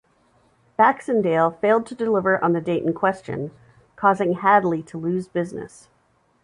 Baxendale failed to deliver on the date in question, causing Hadley to lose business.